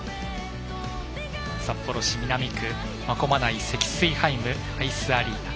札幌市南区真駒内セキスイハイムアイスアリーナ